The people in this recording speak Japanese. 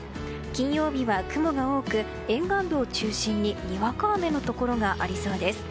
金曜日は雲が多く沿岸部を中心ににわか雨のところがありそうです。